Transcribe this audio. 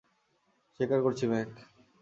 স্বীকার করছি, ম্যাক।